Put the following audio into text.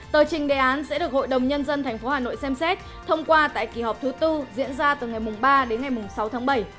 tờ trình đề án sẽ được hội đồng nhân dân tp hà nội xem xét thông qua tại kỳ họp thứ tư diễn ra từ ngày ba đến ngày sáu tháng bảy